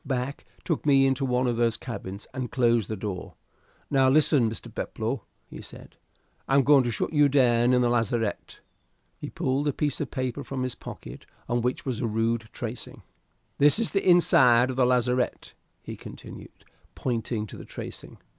Back took me into one of those cabins and closed the door. "Now listen, Mr. Peploe," said he. "I'm going to shut you down in the lazarette." He pulled a piece of paper from his pocket, on which was a rude tracing. "This is the inside of the lazarette," he continued, pointing to the tracing.